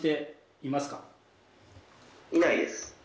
いないです。